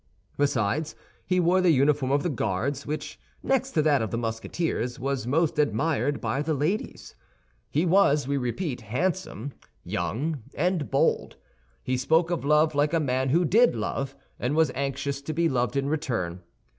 Besides, he wore the uniform of the Guards, which, next to that of the Musketeers, was most admired by the ladies. He was, we repeat, handsome, young, and bold; he spoke of love like a man who did love and was anxious to be loved in return.